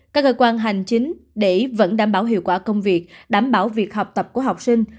các cơ quan hành chính để vẫn đảm bảo hiệu quả công việc đảm bảo việc học tập của học sinh